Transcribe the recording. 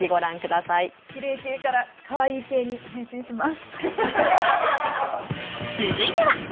きれい系からかわいい系に変身します。